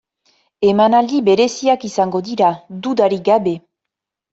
Emanaldi bereziak izango dira, dudarik gabe.